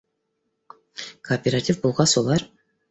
Кооператив булғас, улар